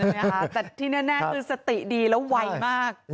แต่ที่แน่คือสติดีแล้วไวมาก